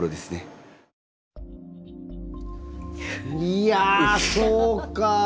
いやそうか！